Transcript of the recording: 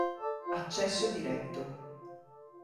Accesso diretto